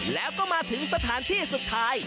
แล้วก็มาถึงสถานที่สุดท้าย